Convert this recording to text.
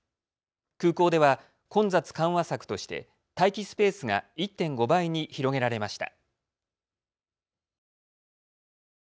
空港では混雑緩和策として待機スペースが１．５倍に広げられました。